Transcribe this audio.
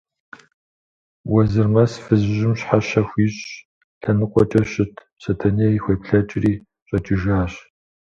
Уэзырмэс фызыжьым щхьэщэ хуищӀщ, лъэныкъуэкӀэ щыт Сэтэней хуеплъэкӀри, щӀэкӀыжащ.